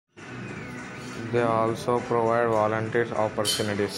They also provide volunteer opportunities.